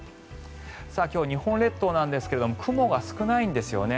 今日、日本列島なんですが雲が少ないんですよね。